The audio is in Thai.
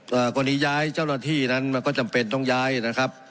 กรณีย้ายเจ้าหน้าที่นั้นมันก็จำเป็นต้องย้ายนะครับ